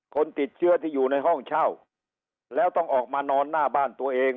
คนติดเชื้อที่อยู่ในห้องเช่าแล้วต้องออกมานอนหน้าบ้านตัวเอง